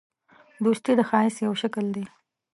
دوستي د ښایست یو شکل دی.